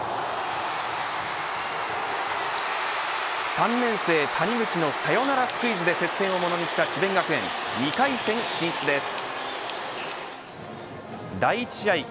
３年生谷口のサヨナラスクイズで接戦を物にした智弁学園２回戦進出です。